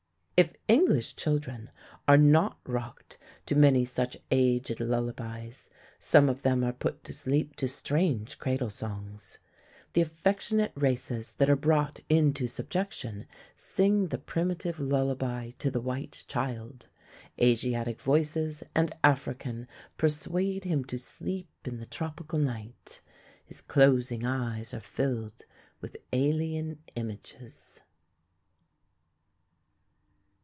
If English children are not rocked to many such aged lullabies, some of them are put to sleep to strange cradle songs. The affectionate races that are brought into subjection sing the primitive lullaby to the white child. Asiatic voices and African persuade him to sleep in the tropical night. His closing eyes are filled with alien images.